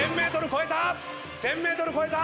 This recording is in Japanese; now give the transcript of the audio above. １，０００ｍ超えた！